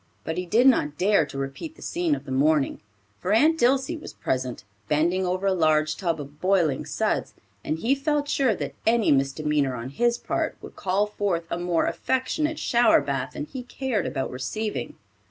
But he did not dare to repeat the scene of the morning, for Aunt Dilsey was present, bending over a large tub of boiling suds, and he felt sure that any misdemeanor on his part would call forth a more affectionate shower bath than he cared about receiving.